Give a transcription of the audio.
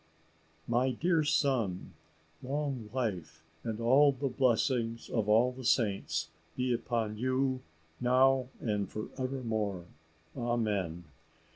"MY DEAR SON, Long life, and all the blessings of all the saints be upon you now and for evermore! Amen.